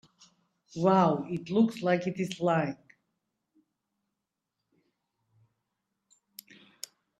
Wow! It looks like it is flying!